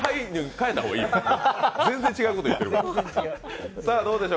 全然違うこと言ってるから。